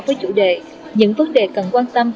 với chủ đề những vấn đề cần quan tâm